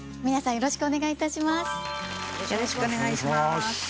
よろしくお願いします。